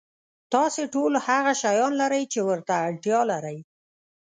تاسو ټول هغه شیان لرئ چې ورته اړتیا لرئ.